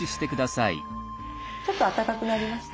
ちょっとあったかくなりました？